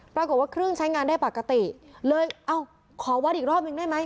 ปรากฏว่าเครื่องใช้งานได้ปกติเลยเอ้าขอวัดอีกรอบหนึ่งได้ไหม